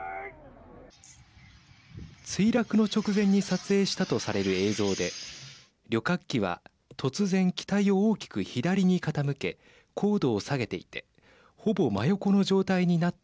墜落の直前に撮影したとされる映像で旅客機は突然機体を大きく左に傾け高度を下げていてほぼ真横の状態になった